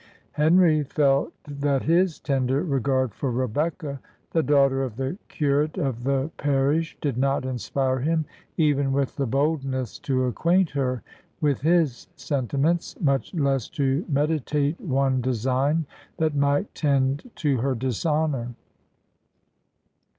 Henry felt that his tender regard for Rebecca, the daughter of the curate of the parish, did not inspire him even with the boldness to acquaint her with his sentiments, much less to meditate one design that might tend to her dishonour.